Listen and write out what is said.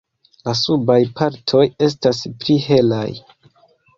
La subaj partoj estas pli helaj.